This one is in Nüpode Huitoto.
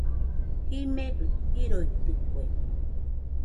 Jimebɨ jiroitɨkue